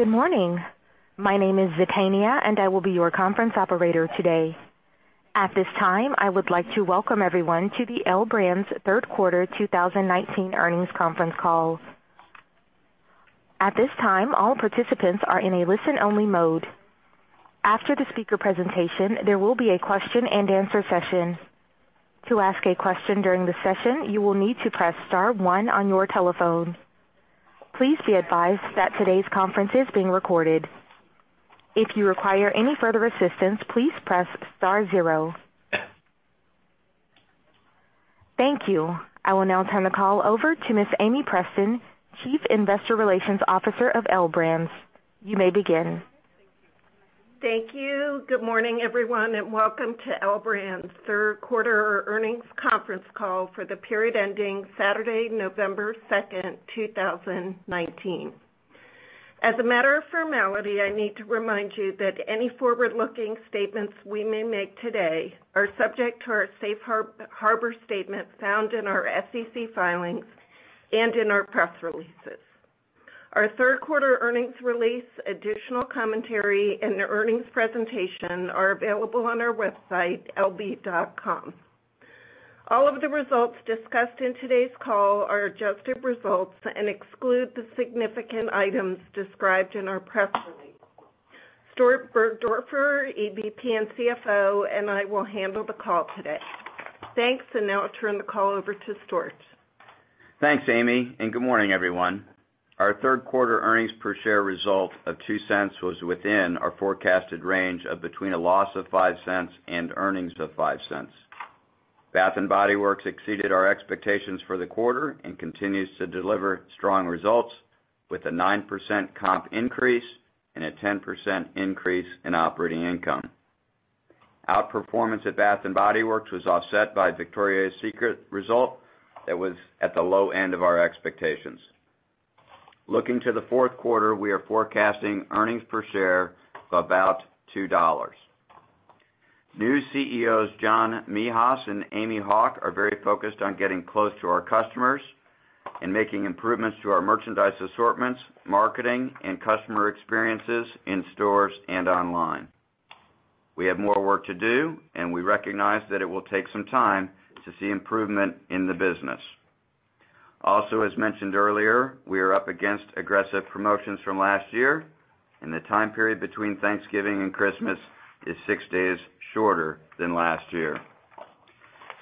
Good morning. My name is Zatania, and I will be your conference operator today. At this time, I would like to welcome everyone to the L Brands third quarter 2019 earnings conference call. At this time, all participants are in a listen-only mode. After the speaker presentation, there will be a question-and-answer session. To ask a question during the session, you will need to press star one on your telephone. Please be advised that today's conference is being recorded. If you require any further assistance, please press star zero. Thank you. I will now turn the call over to Ms. Amie Preston, Chief Investor Relations Officer of L Brands. You may begin. Thank you. Good morning, everyone, and welcome to L Brands third quarter earnings conference call for the period ending Saturday, November 2nd, 2019. As a matter of formality, I need to remind you that any forward-looking statements we may make today are subject to our safe harbor statement found in our SEC filings and in our press releases. Our third quarter earnings release, additional commentary, and earnings presentation are available on our website, lb.com. All of the results discussed in today's call are adjusted results and exclude the significant items described in our press release. Stuart Burgdoerfer, EVP and CFO, and I will handle the call today. Thanks, and now I'll turn the call over to Stuart. Thanks, Amie, and good morning, everyone. Our third quarter earnings per share result of $0.02 was within our forecasted range of between a loss of $0.05 and earnings of $0.05. Bath & Body Works exceeded our expectations for the quarter and continues to deliver strong results with a 9% comp increase and a 10% increase in operating income. Outperformance at Bath & Body Works was offset by Victoria's Secret result that was at the low end of our expectations. Looking to the fourth quarter, we are forecasting earnings per share of about $2. New CEOs John Mehas and Amy Hauk are very focused on getting close to our customers and making improvements to our merchandise assortments, marketing, and customer experiences in stores and online. We have more work to do, and we recognize that it will take some time to see improvement in the business. Also, as mentioned earlier, we are up against aggressive promotions from last year, and the time period between Thanksgiving and Christmas is six days shorter than last year.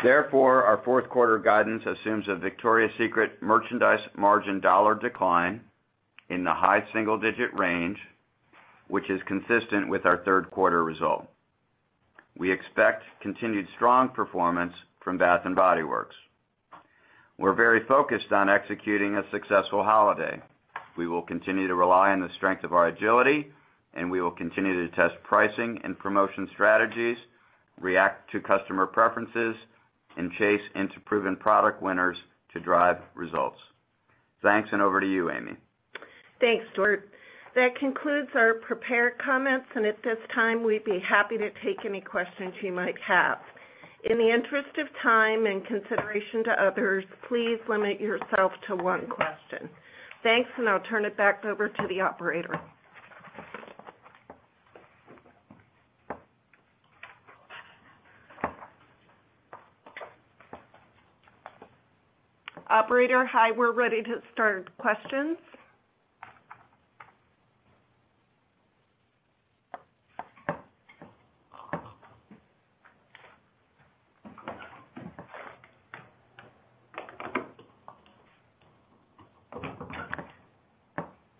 Therefore, our fourth quarter guidance assumes a Victoria's Secret merchandise margin dollar decline in the high single-digit range, which is consistent with our third quarter result. We expect continued strong performance from Bath & Body Works. We're very focused on executing a successful holiday. We will continue to rely on the strength of our agility, and we will continue to test pricing and promotion strategies, react to customer preferences, and chase into proven product winners to drive results. Thanks, and over to you, Amie. Thanks, Stuart. That concludes our prepared comments, and at this time, we'd be happy to take any questions you might have. In the interest of time and consideration to others, please limit yourself to one question. Thanks, and I'll turn it back over to the operator. Operator, hi. We're ready to start questions.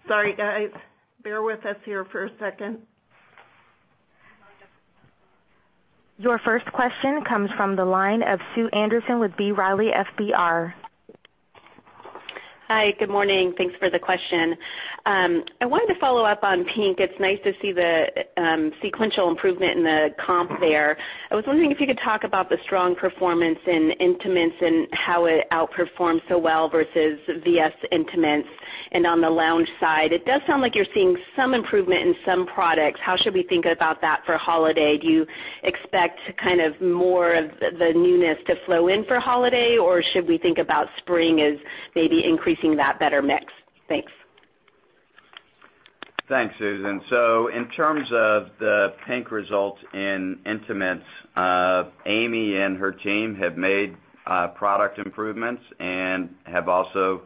Sorry, guys. Bear with us here for a second. Your first question comes from the line of Sue Anderson with B. Riley FBR. Hi, good morning. Thanks for the question. I wanted to follow up on PINK. It's nice to see the sequential improvement in the comp there. I was wondering if you could talk about the strong performance in intimates and how it outperformed so well versus VS Intimates and on the lounge side. It does sound like you're seeing some improvement in some products. How should we think about that for holiday? Do you expect kind of more of the newness to flow in for holiday, or should we think about spring as maybe increasing that better mix? Thanks. Thanks, Susan. So in terms of the PINK results in intimates, Amy and her team have made product improvements and have also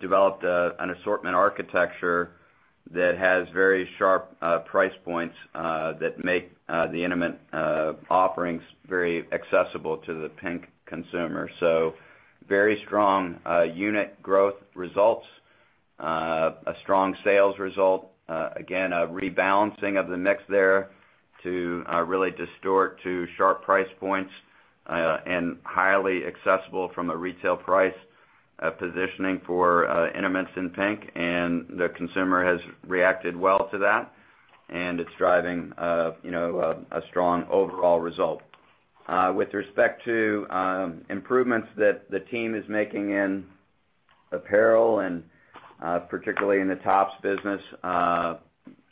developed an assortment architecture that has very sharp price points that make the intimates offerings very accessible to the PINK consumer. So very strong unit growth results, a strong sales result, again, a rebalancing of the mix there to really shift to sharp price points and highly accessible from a retail price positioning for intimates and PINK, and the consumer has reacted well to that, and it's driving a strong overall result. With respect to improvements that the team is making in apparel and particularly in the tops business,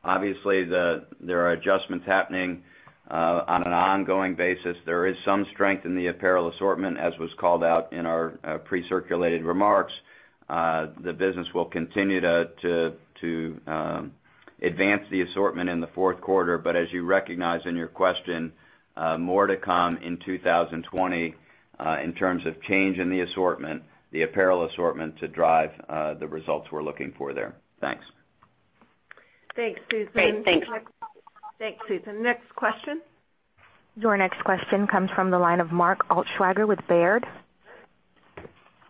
obviously there are adjustments happening on an ongoing basis. There is some strength in the apparel assortment, as was called out in our pre-circulated remarks. The business will continue to advance the assortment in the fourth quarter, but as you recognize in your question, more to come in 2020 in terms of change in the assortment, the apparel assortment to drive the results we're looking for there. Thanks. Thanks, Susan. Thanks. Thanks, Sue. Next question. Your next question comes from the line of Mark Altschwager with Baird.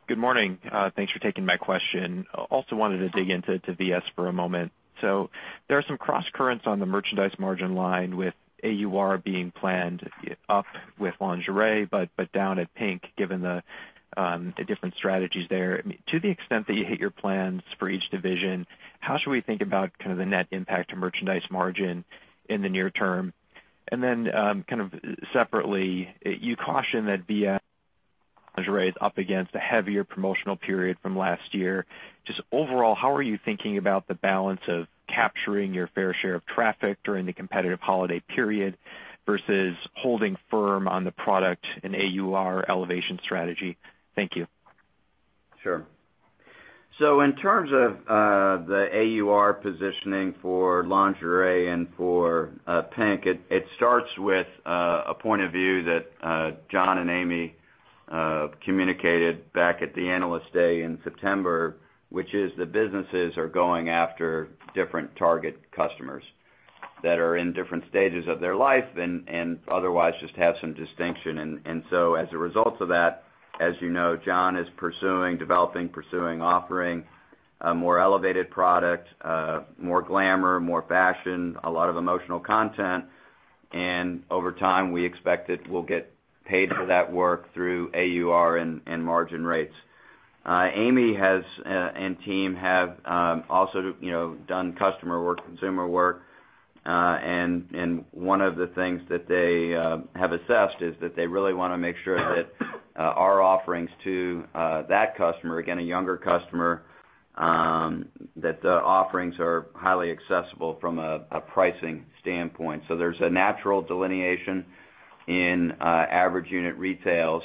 Good morning. Thanks for taking my question. Also wanted to dig into VS for a moment. So there are some cross currents on the merchandise margin line with AUR being planned up with lingerie but down at PINK given the different strategies there. To the extent that you hit your plans for each division, how should we think about kind of the net impact to merchandise margin in the near term? And then kind of separately, you caution that VS lingerie is up against a heavier promotional period from last year. Just overall, how are you thinking about the balance of capturing your fair share of traffic during the competitive holiday period versus holding firm on the product and AUR elevation strategy? Thank you. Sure, so in terms of the AUR positioning for lingerie and for PINK, it starts with a point of view that John and Amy communicated back at the Analyst Day in September, which is the businesses are going after different target customers that are in different stages of their life and otherwise just have some distinction, and so as a result of that, as you know, John is pursuing, developing, pursuing, offering a more elevated product, more glamour, more fashion, a lot of emotional content, and over time, we expect that we'll get paid for that work through AUR and margin rates. Amie and team have also done customer work, consumer work, and one of the things that they have assessed is that they really want to make sure that our offerings to that customer, again, a younger customer, that the offerings are highly accessible from a pricing standpoint. So there's a natural delineation in average unit retail.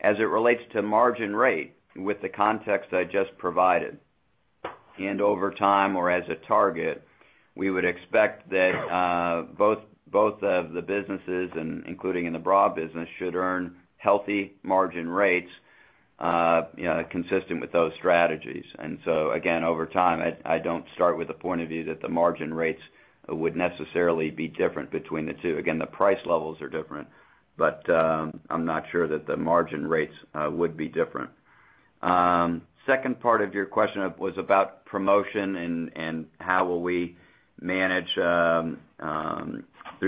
As it relates to margin rate with the context I just provided, and over time or as a target, we would expect that both of the businesses, including in the broad business, should earn healthy margin rates consistent with those strategies. And so again, over time, I don't start with the point of view that the margin rates would necessarily be different between the two. Again, the price levels are different, but I'm not sure that the margin rates would be different. Second part of your question was about promotion and how will we manage through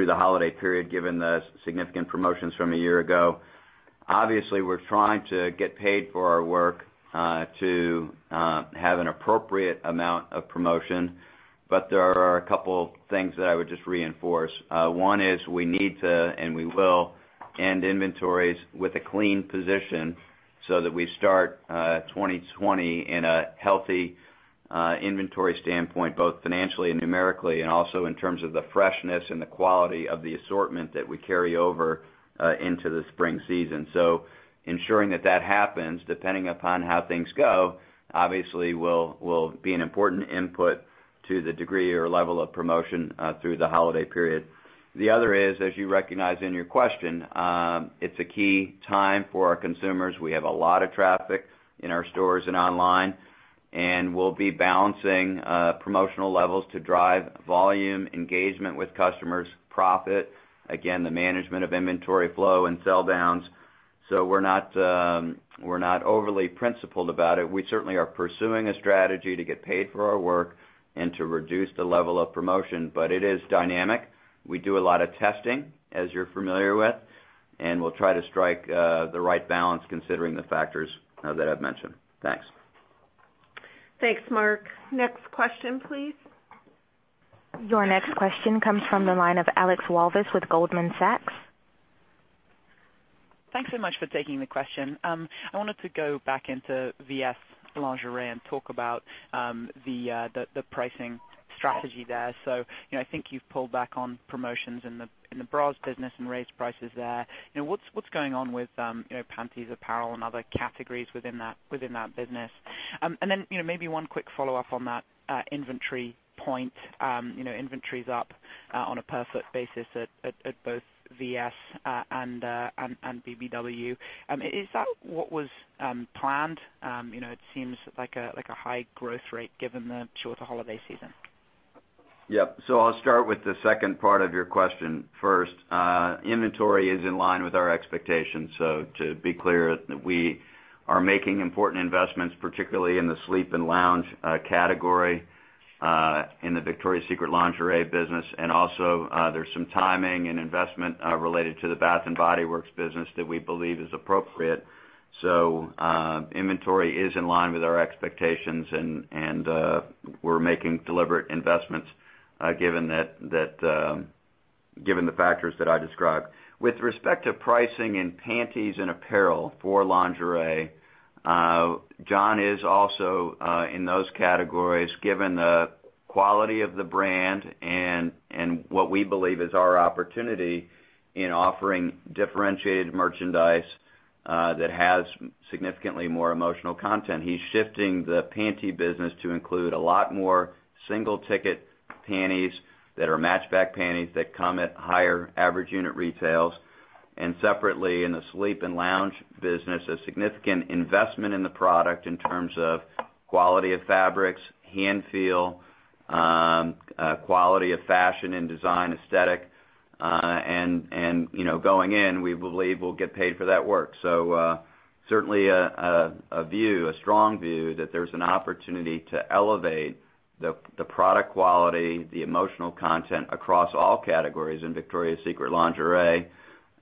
the holiday period given the significant promotions from a year ago. Obviously, we're trying to get paid for our work to have an appropriate amount of promotion, but there are a couple of things that I would just reinforce. One is we need to, and we will, end inventories with a clean position so that we start 2020 in a healthy inventory standpoint, both financially and numerically, and also in terms of the freshness and the quality of the assortment that we carry over into the spring season. So ensuring that that happens, depending upon how things go, obviously will be an important input to the degree or level of promotion through the holiday period. The other is, as you recognize in your question, it's a key time for our consumers. We have a lot of traffic in our stores and online, and we'll be balancing promotional levels to drive volume, engagement with customers, profit, again, the management of inventory flow and sell downs. So we're not overly principled about it. We certainly are pursuing a strategy to get paid for our work and to reduce the level of promotion, but it is dynamic. We do a lot of testing, as you're familiar with, and we'll try to strike the right balance considering the factors that I've mentioned. Thanks. Thanks, Mark. Next question, please. Your next question comes from the line of Alex Walvis with Goldman Sachs. Thanks so much for taking the question. I wanted to go back into VS lingerie and talk about the pricing strategy there. So I think you've pulled back on promotions in the bras business and raised prices there. What's going on with panties, apparel, and other categories within that business? And then maybe one quick follow-up on that inventory point. Inventory's up on a per-foot basis at both VS and BBW. Is that what was planned? It seems like a high growth rate given the shorter holiday season. Yep, so I'll start with the second part of your question first. Inventory is in line with our expectations, so to be clear, we are making important investments, particularly in the sleep and lounge category in the Victoria's Secret Lingerie business, and also there's some timing and investment related to the Bath & Body Works business that we believe is appropriate, so inventory is in line with our expectations, and we're making deliberate investments given the factors that I described. With respect to pricing in panties and apparel for lingerie, John is also in those categories given the quality of the brand and what we believe is our opportunity in offering differentiated merchandise that has significantly more emotional content. He's shifting the panty business to include a lot more single-ticket panties that are matchback panties that come at higher average unit retails. Separately, in the sleep and lounge business, a significant investment in the product in terms of quality of fabrics, hand feel, quality of fashion and design aesthetic. Going in, we believe we'll get paid for that work. Certainly a view, a strong view that there's an opportunity to elevate the product quality, the emotional content across all categories in Victoria's Secret Lingerie.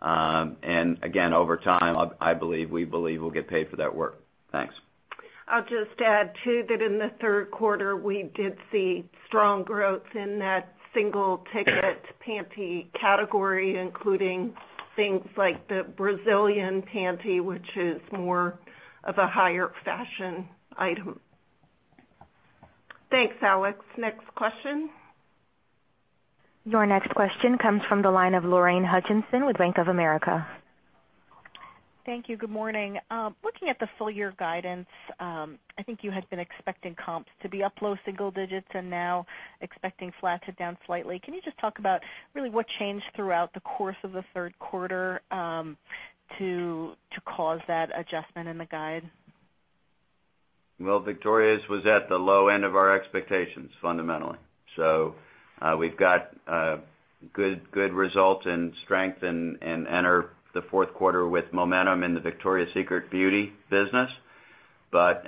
Again, over time, I believe we believe we'll get paid for that work. Thanks. I'll just add to that in the third quarter, we did see strong growth in that single-ticket panty category, including things like the Brazilian panty, which is more of a higher fashion item. Thanks, Alex. Next question. Your next question comes from the line of Lorraine Hutchinson with Bank of America. Thank you. Good morning. Looking at the full year guidance, I think you had been expecting comps to be up low single digits and now expecting flat to down slightly. Can you just talk about really what changed throughout the course of the third quarter to cause that adjustment in the guide? Victoria's was at the low end of our expectations fundamentally. We've got good results and strength in the fourth quarter with momentum in the Victoria's Secret Beauty business, but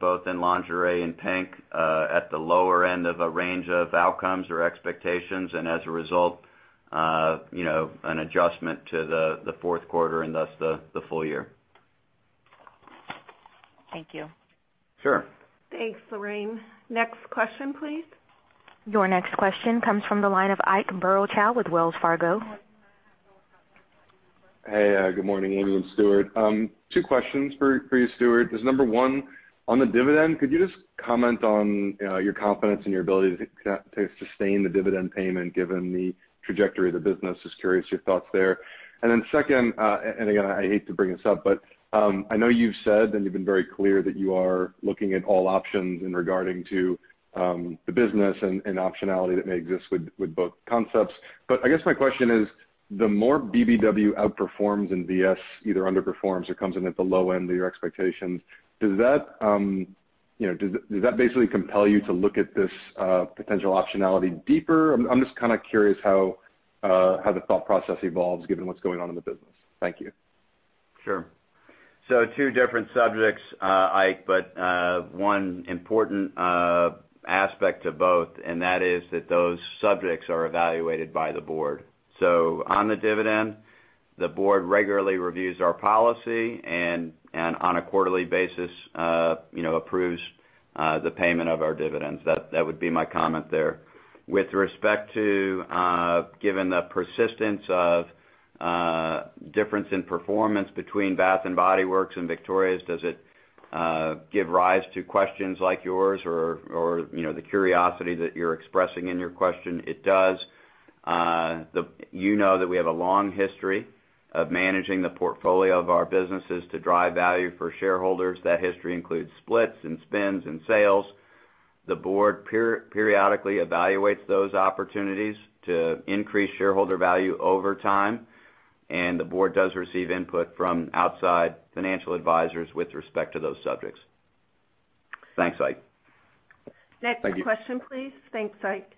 both in lingerie and pink at the lower end of a range of outcomes or expectations, and as a result, an adjustment to the fourth quarter and thus the full year. Thank you. Sure. Thanks, Lorraine. Next question, please. Your next question comes from the line of Ike Boruchow with Wells Fargo. Hey, good morning, Amie and Stuart. Two questions for you, Stuart. Number one, on the dividend, could you just comment on your confidence in your ability to sustain the dividend payment given the trajectory of the business? Just curious your thoughts there. And then second, and again, I hate to bring this up, but I know you've said and you've been very clear that you are looking at all options regarding the business and optionality that may exist with both concepts. But I guess my question is, the more BBW outperforms and VS either underperforms or comes in at the low end of your expectations, does that basically compel you to look at this potential optionality deeper? I'm just kind of curious how the thought process evolves given what's going on in the business. Thank you. Sure. So two different subjects, Ike, but one important aspect to both, and that is that those subjects are evaluated by the board. So on the dividend, the board regularly reviews our policy and on a quarterly basis approves the payment of our dividends. That would be my comment there. With respect to given the persistence of difference in performance between Bath & Body Works and Victoria's, does it give rise to questions like yours or the curiosity that you're expressing in your question? It does. You know that we have a long history of managing the portfolio of our businesses to drive value for shareholders. That history includes splits and spins and sales. The board periodically evaluates those opportunities to increase shareholder value over time, and the board does receive input from outside financial advisors with respect to those subjects. Thanks, Ike. Next question, please. Thanks, Ike.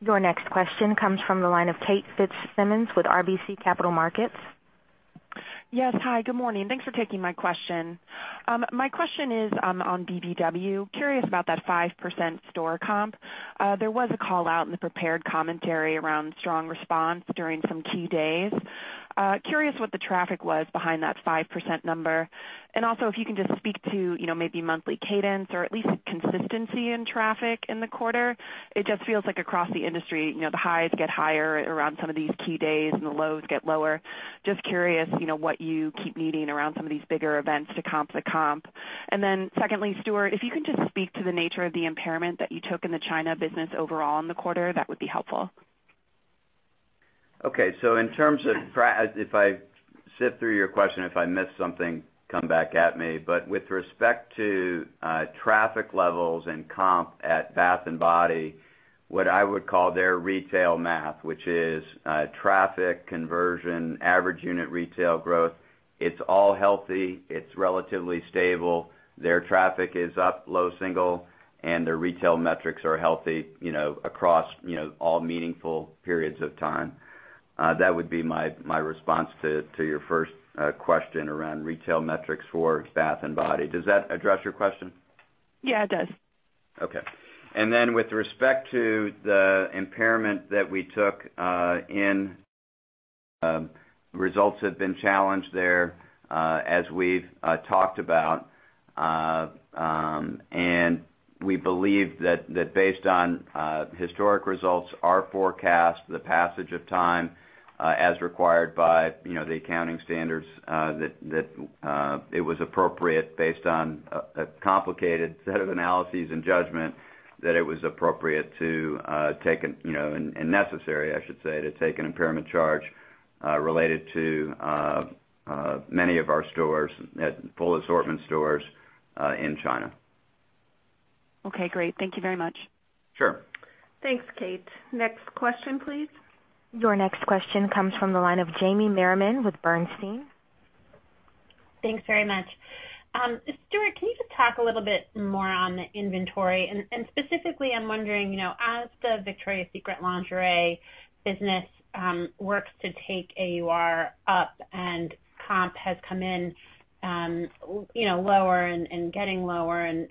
Your next question comes from the line of Kate Fitzsimons with RBC Capital Markets. Yes, hi. Good morning. Thanks for taking my question. My question is on BBW. Curious about that 5% store comp. There was a call out in the prepared commentary around strong response during some key days. Curious what the traffic was behind that 5% number. And also if you can just speak to maybe monthly cadence or at least consistency in traffic in the quarter. It just feels like across the industry, the highs get higher around some of these key days and the lows get lower. Just curious what you keep needing around some of these bigger events to comp the comp. And then secondly, Stuart, if you can just speak to the nature of the impairment that you took in the China business overall in the quarter, that would be helpful. Okay. So in terms of if I sift through your question, if I miss something, come back at me. But with respect to traffic levels and comp at Bath & Body, what I would call their retail math, which is traffic, conversion, average unit retail growth, it's all healthy. It's relatively stable. Their traffic is up, low, single, and their retail metrics are healthy across all meaningful periods of time. That would be my response to your first question around retail metrics for Bath & Body. Does that address your question? Yeah, it does. Okay. And then with respect to the impairment that we took in, results have been challenged there as we've talked about. And we believe that based on historic results, our forecast, the passage of time as required by the accounting standards, that it was appropriate based on a complicated set of analyses and judgment that it was appropriate to take a, and necessary, I should say, to take an impairment charge related to many of our stores, full assortment stores in China. Okay, great. Thank you very much. Sure. Thanks, Kate. Next question, please. Your next question comes from the line of Jamie Merriman with Bernstein. Thanks very much. Stuart, can you just talk a little bit more on the inventory? And specifically, I'm wondering, as the Victoria's Secret Lingerie business works to take AUR up and comp has come in lower and getting lower, and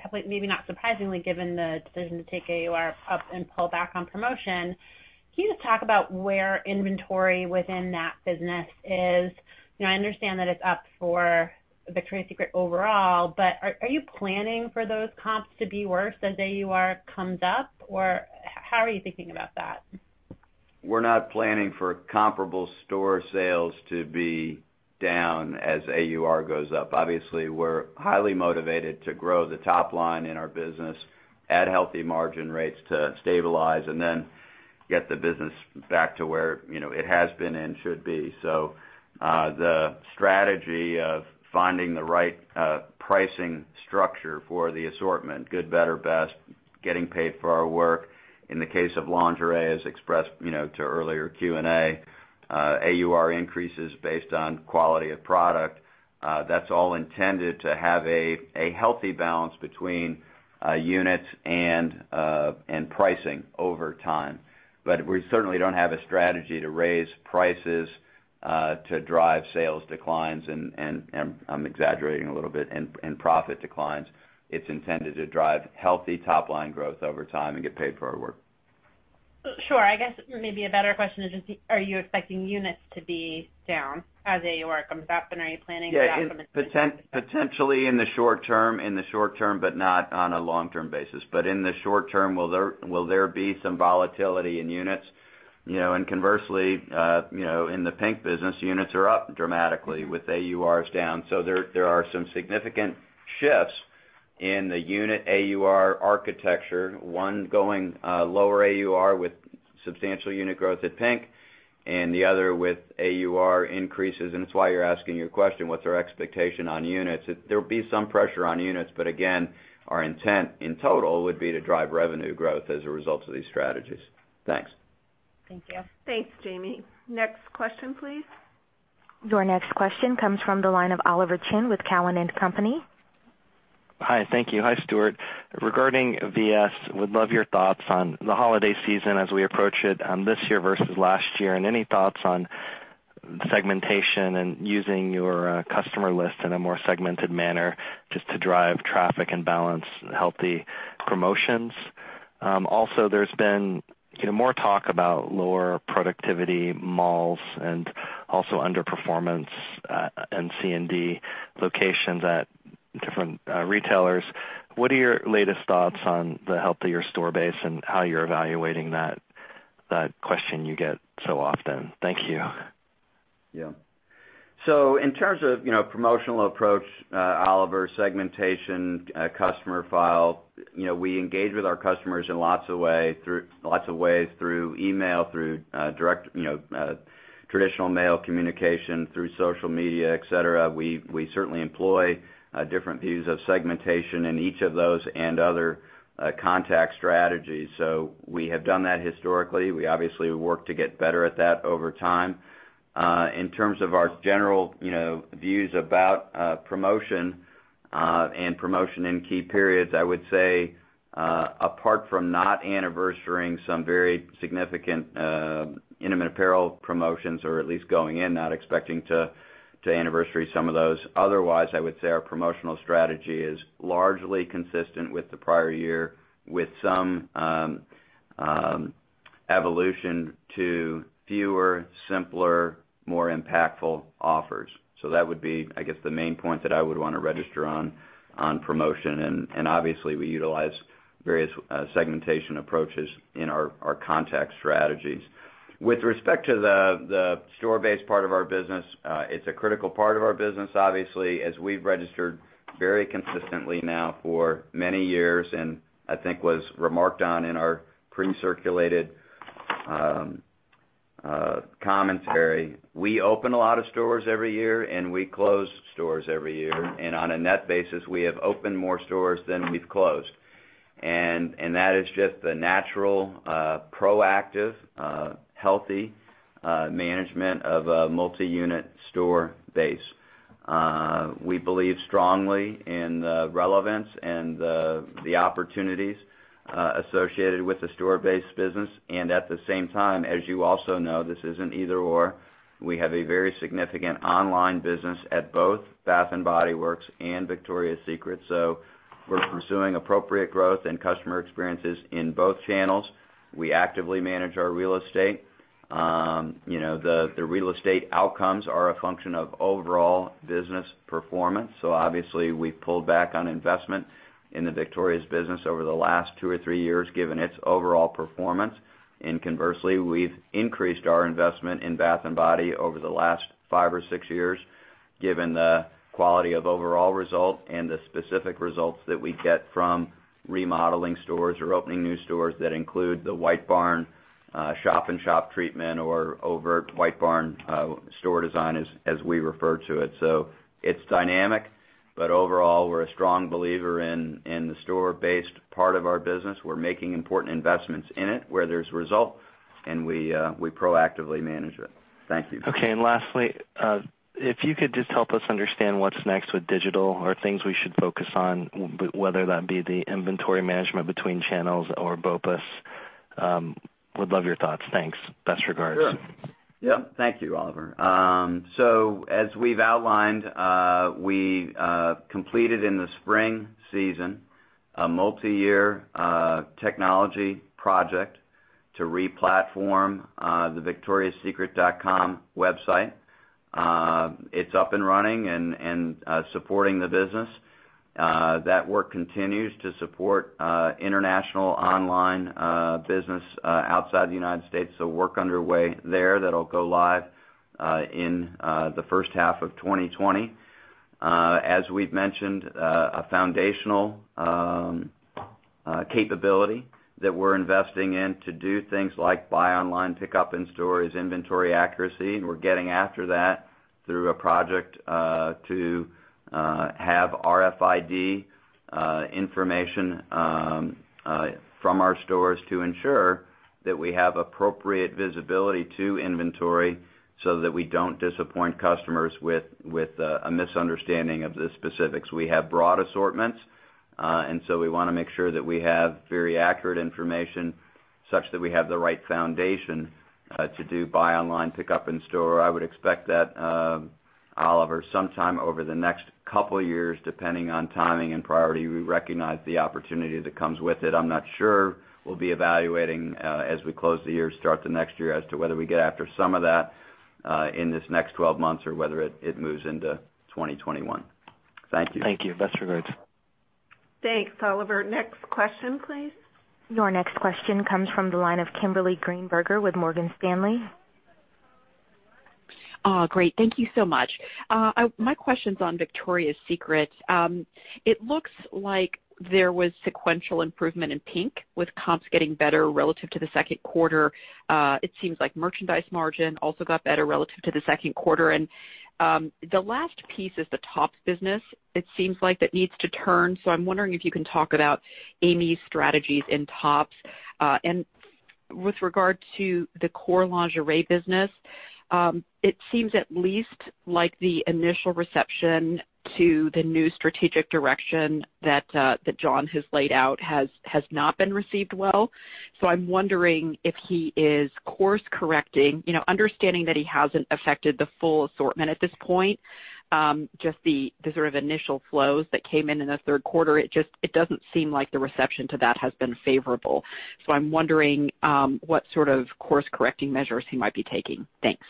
probably maybe not surprisingly given the decision to take AUR up and pull back on promotion, can you just talk about where inventory within that business is? I understand that it's up for Victoria's Secret overall, but are you planning for those comps to be worse as AUR comes up? Or how are you thinking about that? We're not planning for comparable store sales to be down as AUR goes up. Obviously, we're highly motivated to grow the top line in our business at healthy margin rates to stabilize and then get the business back to where it has been and should be. So the strategy of finding the right pricing structure for the assortment, good, better, best, getting paid for our work, in the case of lingerie, as expressed to earlier Q&A, AUR increases based on quality of product. That's all intended to have a healthy balance between units and pricing over time. But we certainly don't have a strategy to raise prices to drive sales declines, and I'm exaggerating a little bit, and profit declines. It's intended to drive healthy top line growth over time and get paid for our work. Sure. I guess maybe a better question is just, are you expecting units to be down as AUR comes up, and are you planning to have some? Potentially in the short term, but not on a long-term basis. But in the short term, will there be some volatility in units? And conversely, in the PINK business, units are up dramatically with AURs down. So there are some significant shifts in the unit AUR architecture, one going lower AUR with substantial unit growth at PINK and the other with AUR increases. And it's why you're asking your question, what's our expectation on units? There'll be some pressure on units, but again, our intent in total would be to drive revenue growth as a result of these strategies. Thanks. Thank you. Thanks, Jamie. Next question, please. Your next question comes from the line of Oliver Chen with Cowen & Company. Hi, thank you. Hi, Stuart. Regarding VS, would love your thoughts on the holiday season as we approach it this year versus last year, and any thoughts on segmentation and using your customer list in a more segmented manner just to drive traffic and balance healthy promotions. Also, there's been more talk about lower productivity, malls, and also underperformance and C&D locations at different retailers. What are your latest thoughts on the health of your store base and how you're evaluating that question you get so often? Thank you. Yeah. So in terms of promotional approach, Oliver, segmentation, customer file, we engage with our customers in lots of ways through email, through traditional mail communication, through social media, etc. We certainly employ different views of segmentation in each of those and other contact strategies. So we have done that historically. We obviously work to get better at that over time. In terms of our general views about promotion and promotion in key periods, I would say apart from not anniversarying some very significant intimate apparel promotions, or at least going in, not expecting to anniversary some of those. Otherwise, I would say our promotional strategy is largely consistent with the prior year with some evolution to fewer, simpler, more impactful offers. So that would be, I guess, the main point that I would want to register on promotion. And obviously, we utilize various segmentation approaches in our contact strategies. With respect to the store-based part of our business, it's a critical part of our business, obviously, as we've registered very consistently now for many years and I think was remarked on in our pre-circulated commentary. We open a lot of stores every year, and we close stores every year. And on a net basis, we have opened more stores than we've closed. And that is just the natural, proactive, healthy management of a multi-unit store base. We believe strongly in the relevance and the opportunities associated with the store-based business. And at the same time, as you also know, this isn't either/or. We have a very significant online business at both Bath & Body Works and Victoria's Secret. So we're pursuing appropriate growth and customer experiences in both channels. We actively manage our real estate. The real estate outcomes are a function of overall business performance. So obviously, we've pulled back on investment in the Victoria's business over the last two or three years given its overall performance. And conversely, we've increased our investment in Bath & Body over the last five or six years given the quality of overall result and the specific results that we get from remodeling stores or opening new stores that include the White Barn shop-in-shop treatment or overt White Barn store design, as we refer to it. So it's dynamic, but overall, we're a strong believer in the store-based part of our business. We're making important investments in it where there's result, and we proactively manage it. Thank you. Okay. And lastly, if you could just help us understand what's next with digital or things we should focus on, whether that be the inventory management between channels or BOPUS, would love your thoughts. Thanks. Best regards. Sure. Yep. Thank you, Oliver. So as we've outlined, we completed in the spring season a multi-year technology project to replatform the VictoriasSecret.com website. It's up and running and supporting the business. That work continues to support international online business outside the United States. So work underway there that'll go live in the first half of 2020. As we've mentioned, a foundational capability that we're investing in to do things like buy online, pick up in stores, inventory accuracy, and we're getting after that through a project to have RFID information from our stores to ensure that we have appropriate visibility to inventory so that we don't disappoint customers with a misunderstanding of the specifics. We have broad assortments, and so we want to make sure that we have very accurate information such that we have the right foundation to do buy online, pick up in store. I would expect that, Oliver, sometime over the next couple of years, depending on timing and priority, we recognize the opportunity that comes with it. I'm not sure we'll be evaluating as we close the year, start the next year as to whether we get after some of that in this next 12 months or whether it moves into 2021. Thank you. Thank you. Best regards. Thanks, Oliver. Next question, please. Your next question comes from the line of Kimberly Greenberger with Morgan Stanley. Great. Thank you so much. My question's on Victoria's Secret. It looks like there was sequential improvement in PINK with comps getting better relative to the second quarter. It seems like merchandise margin also got better relative to the second quarter. And the last piece is the tops business. It seems like that needs to turn. So I'm wondering if you can talk about Amy's strategies in tops. And with regard to the core lingerie business, it seems at least like the initial reception to the new strategic direction that John has laid out has not been received well. So I'm wondering if he is course-correcting, understanding that he hasn't affected the full assortment at this point, just the sort of initial flows that came in in the third quarter. It doesn't seem like the reception to that has been favorable. So I'm wondering what sort of course-correcting measures he might be taking. Thanks.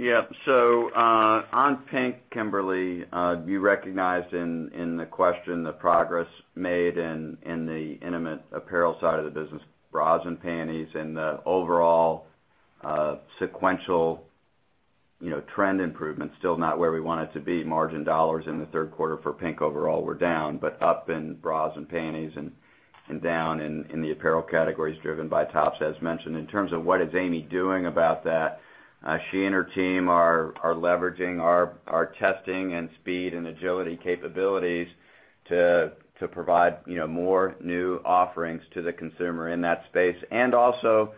Yep, so on PINK, Kimberly, you recognized in the question the progress made in the intimate apparel side of the business, bras and panties, and the overall sequential trend improvement, still not where we want it to be. Margin dollars in the third quarter for PINK overall were down, but up in bras and panties and down in the apparel categories driven by tops, as mentioned. In terms of what is Amy doing about that, she and her team are leveraging our testing and speed and agility capabilities to provide more new offerings to the consumer in that space and also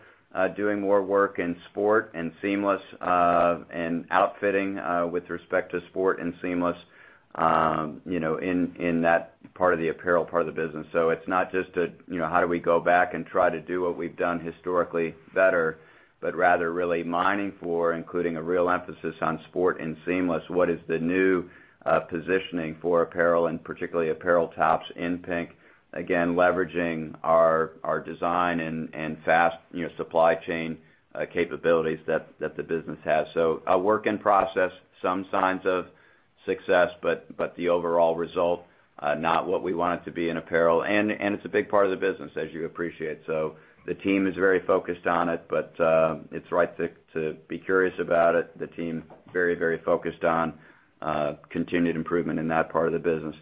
doing more work in sport and seamless and outfitting with respect to sport and seamless in that part of the apparel part of the business. So it's not just a, how do we go back and try to do what we've done historically better, but rather really aiming for, including a real emphasis on sport and seamless, what is the new positioning for apparel and particularly apparel tops in PINK, again, leveraging our design and fast supply chain capabilities that the business has. So a work in progress, some signs of success, but the overall result, not what we want it to be in apparel. And it's a big part of the business, as you appreciate. So the team is very focused on it, but it's right to be curious about it. The team is very, very focused on continued improvement in that part of the business.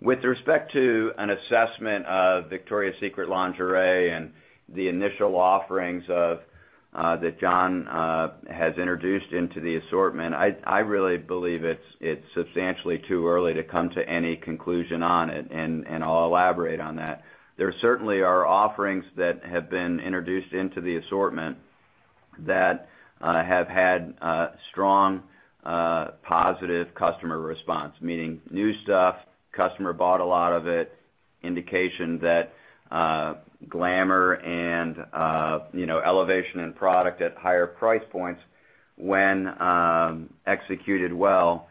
With respect to an assessment of Victoria's Secret Lingerie and the initial offerings that John has introduced into the assortment, I really believe it's substantially too early to come to any conclusion on it, and I'll elaborate on that. There certainly are offerings that have been introduced into the assortment that have had strong positive customer response, meaning new stuff, customer bought a lot of it, indication that glamour and elevation in product at higher price points, when executed well,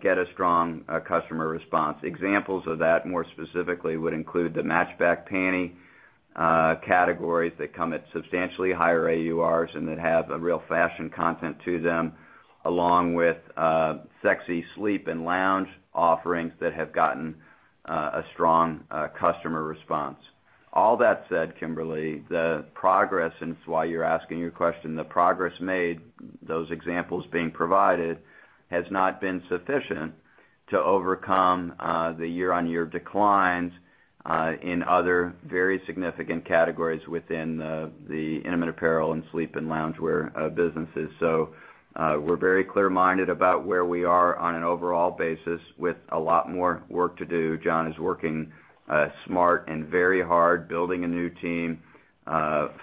get a strong customer response. Examples of that, more specifically, would include the matchback panty categories that come at substantially higher AURs and that have a real fashion content to them, along with sexy sleep and lounge offerings that have gotten a strong customer response. All that said, Kimberly, the progress, and it's why you're asking your question, the progress made, those examples being provided, has not been sufficient to overcome the year-over-year declines in other very significant categories within the intimate apparel and sleep and loungewear businesses. So we're very clear-minded about where we are on an overall basis with a lot more work to do. John is working smart and very hard, building a new team,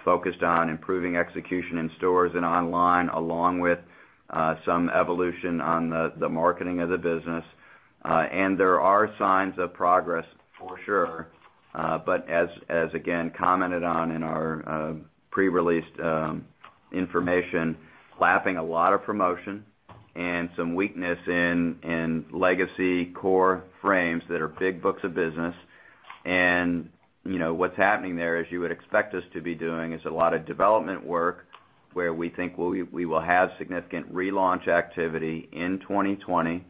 focused on improving execution in stores and online, along with some evolution on the marketing of the business. And there are signs of progress, for sure. But as again commented on in our pre-released information, lapping a lot of promotion and some weakness in legacy core frames that are big books of business. What's happening there, as you would expect us to be doing, is a lot of development work where we think we will have significant relaunch activity in 2020,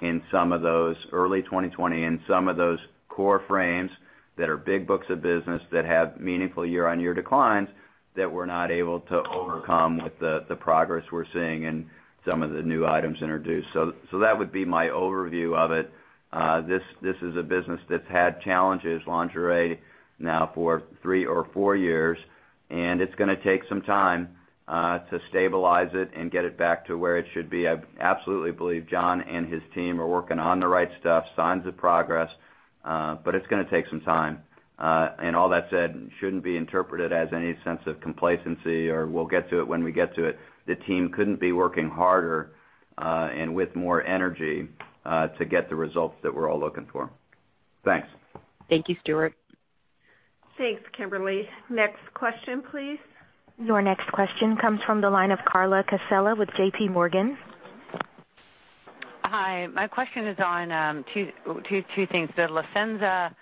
in some of those early 2020, in some of those core frames that are big books of business that have meaningful year-on-year declines that we're not able to overcome with the progress we're seeing in some of the new items introduced. That would be my overview of it. This is a business that's had challenges in lingerie now for three or four years, and it's going to take some time to stabilize it and get it back to where it should be. I absolutely believe John and his team are working on the right stuff, signs of progress, but it's going to take some time. And all that said, shouldn't be interpreted as any sense of complacency or, "We'll get to it when we get to it." The team couldn't be working harder and with more energy to get the results that we're all looking for. Thanks. Thank you, Stuart. Thanks, Kimberly. Next question, please. Your next question comes from the line of Carla Casella with J.P. Morgan. Hi. My question is on two things. The La Senza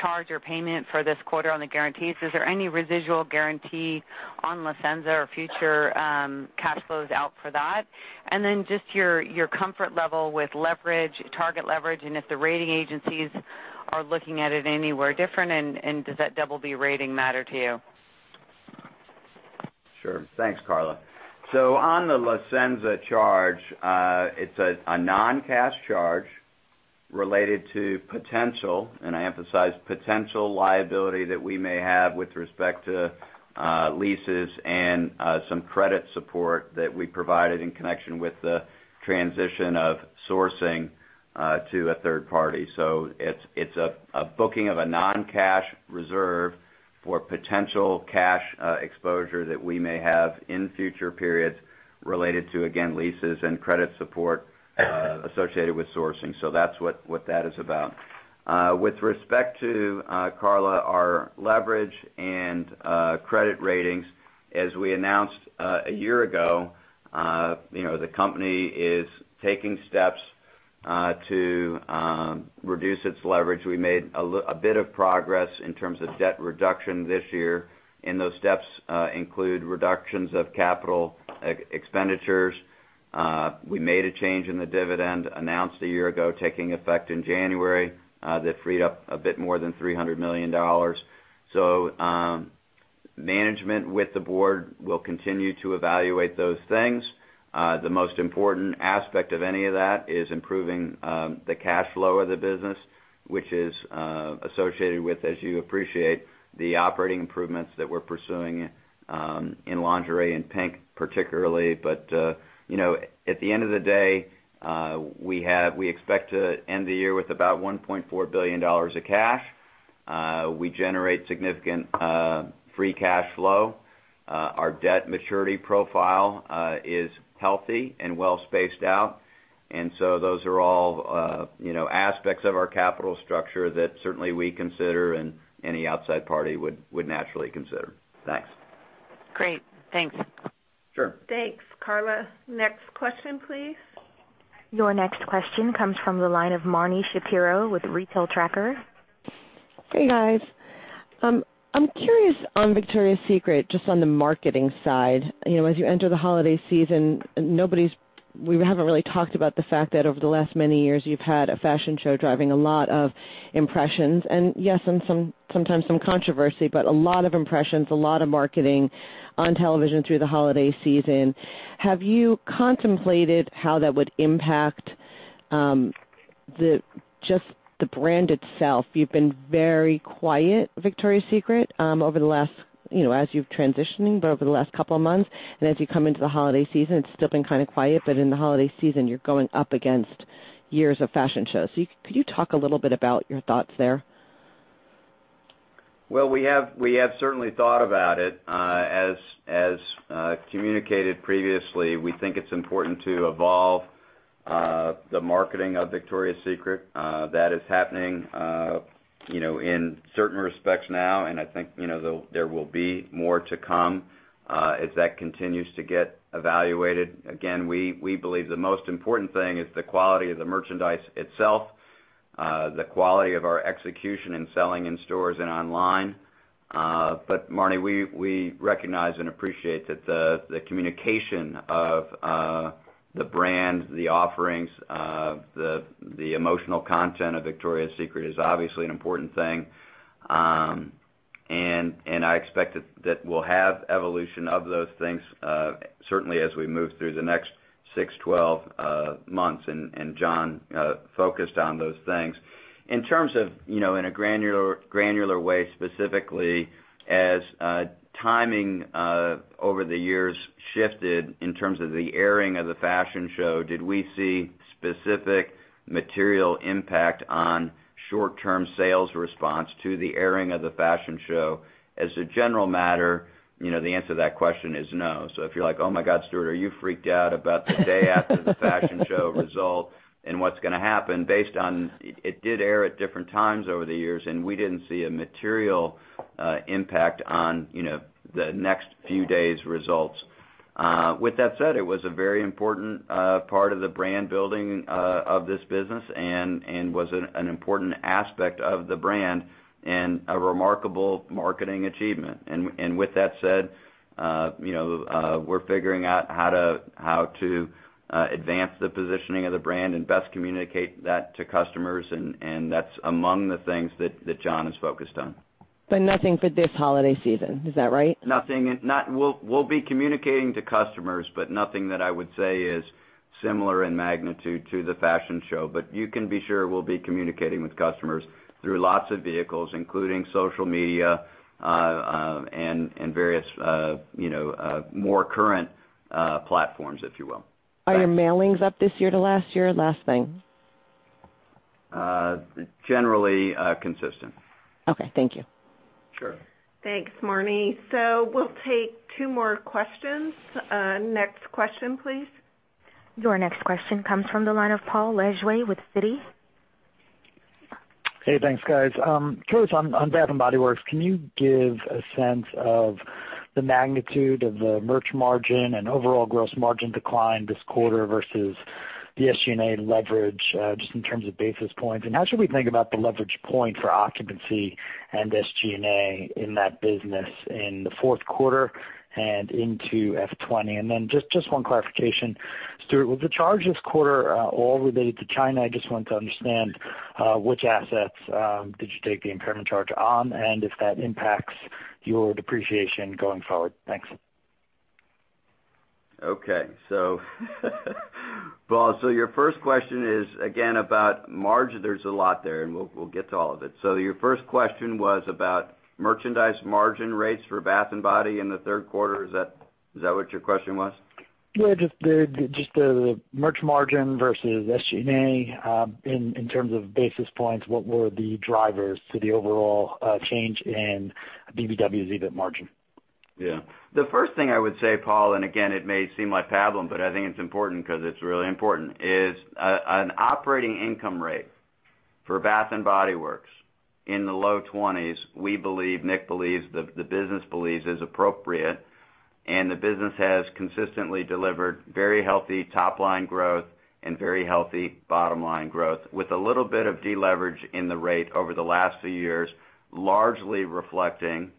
charge or payment for this quarter on the guarantees, is there any residual guarantee on La Senza or future cash flows out for that? And then just your comfort level with leverage, target leverage, and if the rating agencies are looking at it anywhere different, and does that BB rating matter to you? Sure. Thanks, Carla. So on the La Senza charge, it's a non-cash charge related to potential, and I emphasize potential liability that we may have with respect to leases and some credit support that we provided in connection with the transition of sourcing to a third party. So it's a booking of a non-cash reserve for potential cash exposure that we may have in future periods related to, again, leases and credit support associated with sourcing. So that's what that is about. With respect to, Carla, our leverage and credit ratings, as we announced a year ago, the company is taking steps to reduce its leverage. We made a bit of progress in terms of debt reduction this year. And those steps include reductions of capital expenditures. We made a change in the dividend announced a year ago, taking effect in January, that freed up a bit more than $300 million. Management with the board will continue to evaluate those things. The most important aspect of any of that is improving the cash flow of the business, which is associated with, as you appreciate, the operating improvements that we're pursuing in lingerie and PINK particularly. At the end of the day, we expect to end the year with about $1.4 billion of cash. We generate significant free cash flow. Our debt maturity profile is healthy and well spaced out. Those are all aspects of our capital structure that certainly we consider and any outside party would naturally consider. Thanks. Great. Thanks. Sure. Thanks, Carla. Next question, please. Your next question comes from the line of Marnie Shapiro with Retail Tracker. Hey, guys. I'm curious on Victoria's Secret, just on the marketing side. As you enter the holiday season, we haven't really talked about the fact that over the last many years, you've had a fashion show driving a lot of impressions. And yes, sometimes some controversy, but a lot of impressions, a lot of marketing on television through the holiday season. Have you contemplated how that would impact just the brand itself? You've been very quiet, Victoria's Secret, over the last, as you've transitioned, but over the last couple of months. And as you come into the holiday season, it's still been kind of quiet, but in the holiday season, you're going up against years of fashion shows. So could you talk a little bit about your thoughts there? We have certainly thought about it. As communicated previously, we think it's important to evolve the marketing of Victoria's Secret. That is happening in certain respects now, and I think there will be more to come as that continues to get evaluated. Again, we believe the most important thing is the quality of the merchandise itself, the quality of our execution and selling in stores and online. But Marnie, we recognize and appreciate that the communication of the brand, the offerings, the emotional content of Victoria's Secret is obviously an important thing. I expect that we'll have evolution of those things, certainly as we move through the next six, 12 months, and John focused on those things. In terms of, in a granular way, specifically, as timing over the years shifted in terms of the airing of the fashion show, did we see specific material impact on short-term sales response to the airing of the fashion show? As a general matter, the answer to that question is no, so if you're like, "Oh my God, Stuart, are you freaked out about the day after the fashion show result and what's going to happen?" Based on it did air at different times over the years, and we didn't see a material impact on the next few days' results. With that said, it was a very important part of the brand building of this business and was an important aspect of the brand and a remarkable marketing achievement, and with that said, we're figuring out how to advance the positioning of the brand and best communicate that to customers. That's among the things that John has focused on. But nothing for this holiday season. Is that right? Nothing. We'll be communicating to customers, but nothing that I would say is similar in magnitude to the fashion show. But you can be sure we'll be communicating with customers through lots of vehicles, including social media and various more current platforms, if you will. Are your mailings up this year to last year? Last thing. Generally consistent. Okay. Thank you. Sure. Thanks, Marnie. So we'll take two more questions. Next question, please. Your next question comes from the line of Paul Lejuez with Citi. Hey, thanks, guys. Stuart, on Bath & Body Works, can you give a sense of the magnitude of the merch margin and overall gross margin decline this quarter versus the SG&A leverage just in terms of basis points? And how should we think about the leverage point for occupancy and SG&A in that business in the fourth quarter and into F20? And then just one clarification. Stuart, was the charge this quarter all related to China? I just want to understand which assets did you take the impairment charge on and if that impacts your depreciation going forward? Thanks. Okay. So your first question is, again, about margin. There's a lot there, and we'll get to all of it. So your first question was about merchandise margin rates for Bath & Body in the third quarter. Is that what your question was? Yeah. Just the merch margin versus SG&A in terms of basis points, what were the drivers to the overall change in BBW's EBIT margin? Yeah. The first thing I would say, Paul, and again, it may seem like babbling, but I think it's important because it's really important, is an operating income rate for Bath & Body Works in the low 20s, we believe, Nick believes, the business believes is appropriate, and the business has consistently delivered very healthy top-line growth and very healthy bottom-line growth with a little bit of deleverage in the rate over the last few years, largely reflecting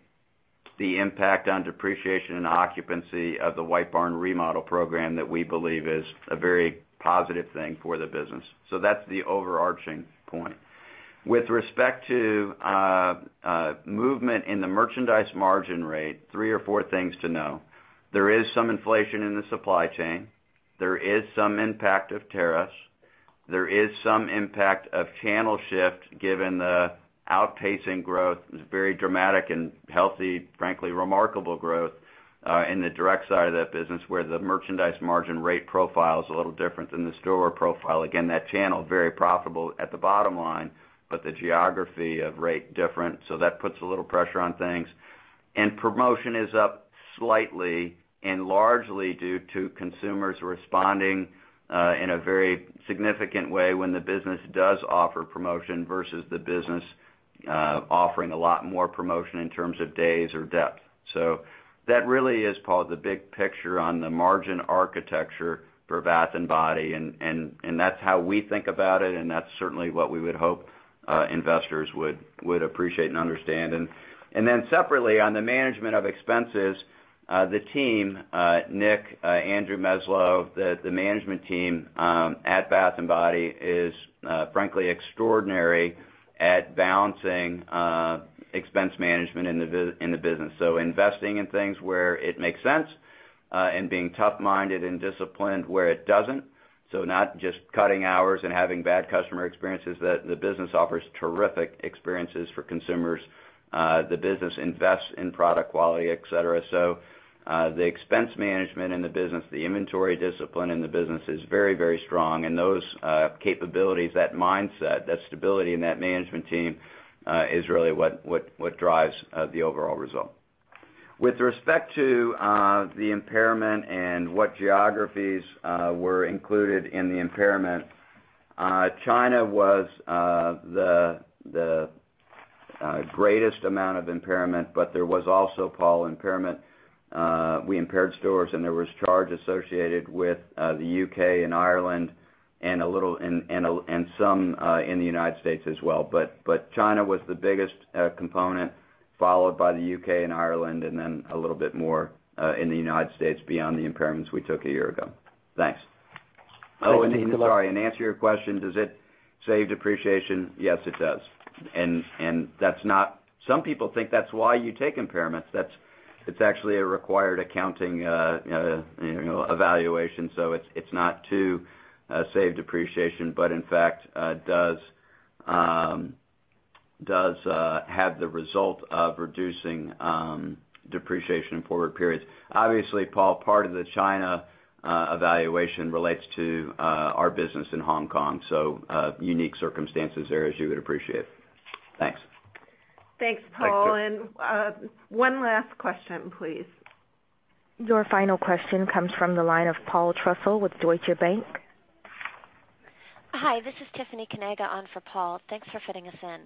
the impact on depreciation and occupancy of the White Barn remodel program that we believe is a very positive thing for the business. So that's the overarching point. With respect to movement in the merchandise margin rate, three or four things to know. There is some inflation in the supply chain. There is some impact of tariffs. There is some impact of channel shift given the outpacing growth. It's very dramatic and healthy, frankly, remarkable growth in the direct side of that business where the merchandise margin rate profile is a little different than the store profile. Again, that channel is very profitable at the bottom line, but the geography of rate is different. So that puts a little pressure on things. And promotion is up slightly and largely due to consumers responding in a very significant way when the business does offer promotion versus the business offering a lot more promotion in terms of days or depth. So that really is, Paul, the big picture on the margin architecture for Bath & Body. And that's how we think about it, and that's certainly what we would hope investors would appreciate and understand. Then separately, on the management of expenses, the team, Nick, Andrew Meslow, the management team at Bath & Body Works is, frankly, extraordinary at balancing expense management in the business. So investing in things where it makes sense and being tough-minded and disciplined where it doesn't. So not just cutting hours and having bad customer experiences. The business offers terrific experiences for consumers. The business invests in product quality, etc. So the expense management in the business, the inventory discipline in the business is very, very strong. And those capabilities, that mindset, that stability in that management team is really what drives the overall result. With respect to the impairment and what geographies were included in the impairment, China was the greatest amount of impairment, but there was also, Paul, impairment. We impaired stores, and there was a charge associated with the UK and Ireland and some in the United States as well, but China was the biggest component, followed by the UK and Ireland, and then a little bit more in the United States beyond the impairments we took a year ago. Thanks. Oh, and sorry, and to answer your question, does it save depreciation? Yes, it does, and some people think that's why you take impairments. It's actually a required accounting evaluation, so it's not to save depreciation, but in fact, does have the result of reducing depreciation in forward periods. Obviously, Paul, part of the China evaluation relates to our business in Hong Kong. So unique circumstances there, as you would appreciate. Thanks. Thanks, Paul. And one last question, please. Your final question comes from the line of Paul Trussell with Deutsche Bank. Hi. This is Tiffany Kanaga on for Paul. Thanks for fitting us in.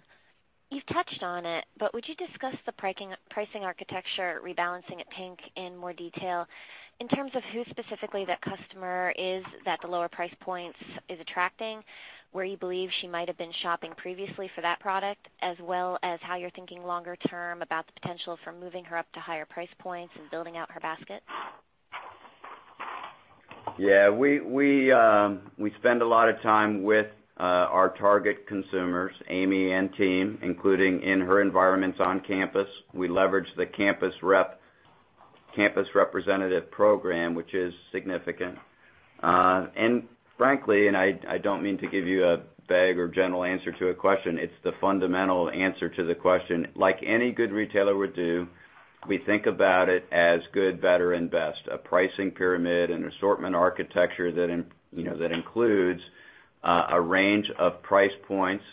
You've touched on it, but would you discuss the pricing architecture, rebalancing at PINK in more detail in terms of who specifically that customer is that the lower price points is attracting, where you believe she might have been shopping previously for that product, as well as how you're thinking longer term about the potential for moving her up to higher price points and building out her basket? Yeah. We spend a lot of time with our target consumers, Amy and team, including in her environments on campus. We leverage the campus rep, campus representative program, which is significant, and frankly, and I don't mean to give you a vague or general answer to a question, it's the fundamental answer to the question. Like any good retailer would do, we think about it as good, better, and best, a pricing pyramid and assortment architecture that includes a range of price points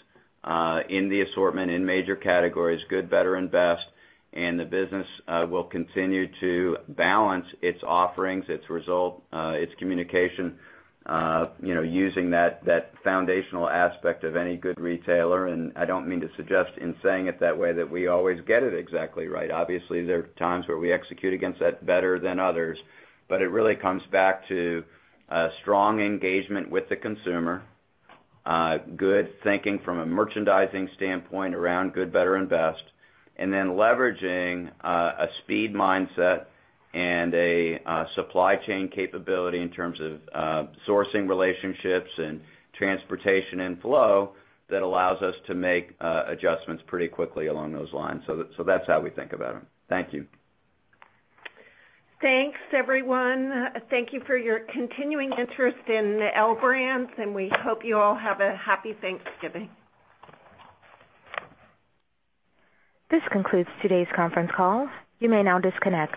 in the assortment in major categories, good, better, and best, and the business will continue to balance its offerings, its result, its communication using that foundational aspect of any good retailer, and I don't mean to suggest in saying it that way that we always get it exactly right. Obviously, there are times where we execute against that better than others. But it really comes back to strong engagement with the consumer, good thinking from a merchandising standpoint around good, better, and best, and then leveraging a speed mindset and a supply chain capability in terms of sourcing relationships and transportation and flow that allows us to make adjustments pretty quickly along those lines. So that's how we think about it. Thank you. Thanks, everyone. Thank you for your continuing interest in the L Brands, and we hope you all have a happy Thanksgiving. This concludes today's conference call. You may now disconnect.